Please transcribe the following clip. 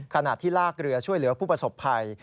ขณะที่ลากเรือช่วยเหลือผู้ประสบภัย